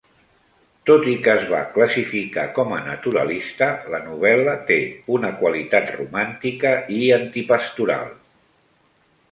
Tot i que es va classificar com a naturalista, la novel·la té una qualitat romàntica i antipastoral.